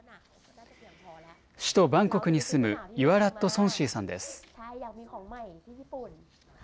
首都バンコクに住むユワラット・ソンシーさんです。